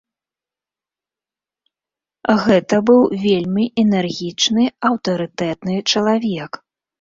Гэта быў вельмі энергічны, аўтарытэтны чалавек.